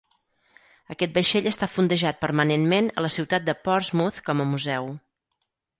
Aquest vaixell està fondejat permanentment a la ciutat de Portsmouth com a museu.